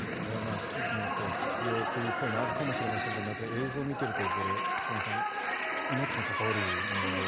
地域によっては必要という声もありますが映像を見ているとこれ、菊間さん命に関わる問題ですよね。